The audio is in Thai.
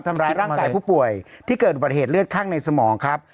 ทำร้ายร่างกายผู้ป่วยที่เกิดอุบัติเหตุเลือดข้างในสมองครับ